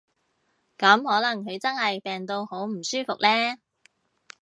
噉可能佢真係病到好唔舒服呢